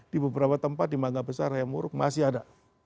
di beberapa tempat di mangga besar hayamuruk masih ada